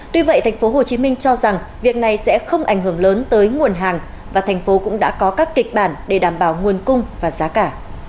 tuy vậy tp hcm cho rằng việc này sẽ không ảnh hưởng lớn tới nguồn hàng và thành phố cũng đã có các kịch bản để đảm bảo nguồn cung và giá cả